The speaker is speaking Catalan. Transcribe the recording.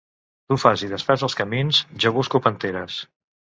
Tu fas i desfàs els camins, jo busco panteres